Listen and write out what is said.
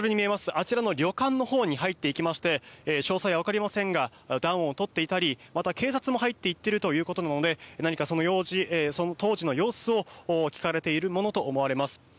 あちらの旅館に入っていきまして詳細は分かりませんが暖をとっていたりまた、警察も入っていっているということなので何か、その当時の様子を聞かれているものと思われます。